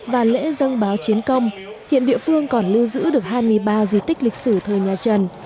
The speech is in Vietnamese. và lễ dân báo chiến công hiện địa phương còn lưu giữ được hai mươi ba di tích lịch sử thời nhà trần